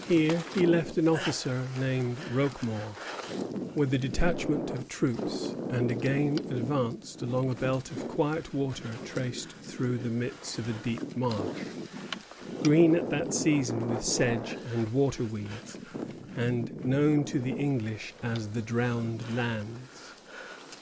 Here he left an officer named Roquemaure with a detachment of troops, and again advanced along a belt of quiet water traced through the midst of a deep marsh, green at that season with sedge and water weeds, and known to the English as the Drowned Lands.